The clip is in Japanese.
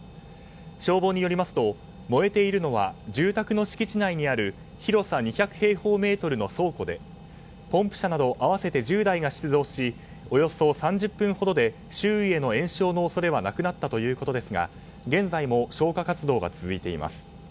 消防によりますと燃えているのは住宅の敷地内にある広さ２００平方メートルの倉庫でポンプ車など合わせて１０台が出動しおよそ３０分ほどで周囲への延焼の恐れはなくなったということですが現在も消火活動が続いています。